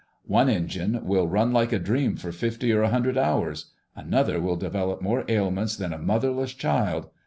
One engine will run like a dream for fifty or a hundred hours. Another will develop more ailments than a motherless child.